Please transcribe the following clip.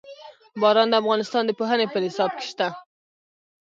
باران د افغانستان د پوهنې په نصاب کې شته.